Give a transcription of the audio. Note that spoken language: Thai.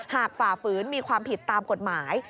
ฝ่าฝืนมีความผิดตามกฎหมาย